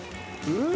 うん。